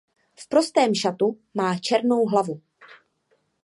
V prostém šatu má černou hlavu.